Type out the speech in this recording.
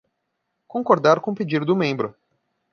Concordar com o pedido do membro